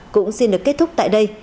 cũng xin được kết thúc tại đây